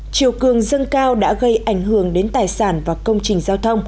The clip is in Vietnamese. triều cường dân cao đã gây ảnh hưởng đến tài sản và công trình giao thông